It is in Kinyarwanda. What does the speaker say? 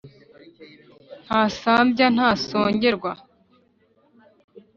ntasambya ntasongerwa,